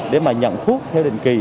để nhận thuốc theo định kỳ